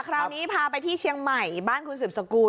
คราวนี้พาไปที่เชียงใหม่บ้านคุณสืบสกุล